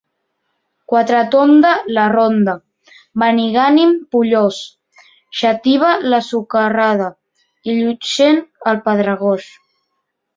Quatretonda, la ronda; Benigànim pollós; Xàtiva la socarrada i Llutxent el pedregós.